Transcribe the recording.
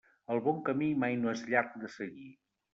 El bon camí, mai no és llarg de seguir.